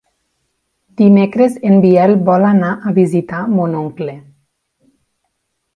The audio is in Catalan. Dimecres en Biel vol anar a visitar mon oncle.